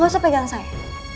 gak usah pegang saya